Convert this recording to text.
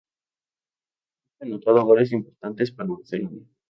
Ha anotado goles importantes para Barcelona.